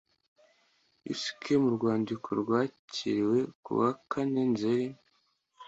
uck mu rwandiko rwakiriwe ku wa kane nzeri